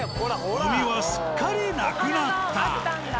ゴミはすっかりなくなった。